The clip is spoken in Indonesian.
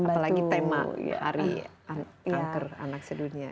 apa lagi tema hari kanker anak sedunia ini